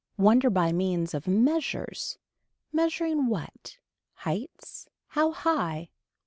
Wonder by means of measures. Measuring what. Heights. How high.